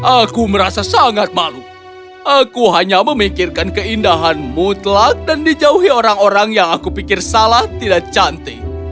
aku merasa sangat malu aku hanya memikirkan keindahan mutlak dan dijauhi orang orang yang aku pikir salah tidak cantik